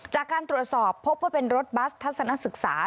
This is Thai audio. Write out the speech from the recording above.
จากการตรวจสอบพบว่าเป็นรถบัสทัศนศึกษา